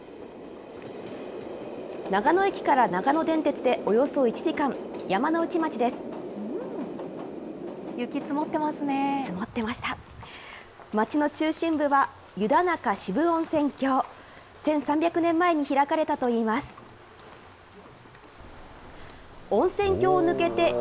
長野駅から長野電鉄でおよそ１時雪、積もってますね。